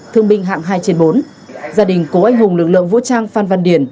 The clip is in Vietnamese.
thương binh hạng hai trên bốn gia đình cố anh hùng lực lượng vũ trang phan văn điển